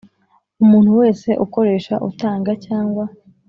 Umuntu wese ukoresha utanga cyangwa